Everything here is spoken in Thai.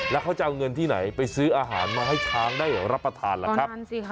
แล้วเขาจะเอาเงินที่ไหนไปซื้ออาหารมาให้ช้างได้รับประทานล่ะครับ